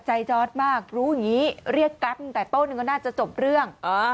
ใจจอดมากรู้อย่างนี้เรียกกราฟแต่โต๊ะหนึ่งก็น่าจะจบเรื่อง